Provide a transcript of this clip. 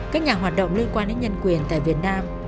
các nhà hoạt động liên quan đến nhân quyền tại việt nam